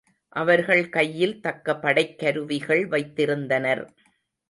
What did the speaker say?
அவர்கள் கையில் தக்க படைக் கருவிகள் வைத்திருந்தனர்.